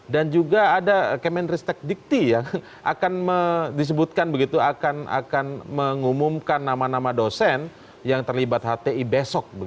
dan juga ada kemenristek dikti yang akan disebutkan begitu akan mengumumkan nama nama dosen yang terlibat hti besok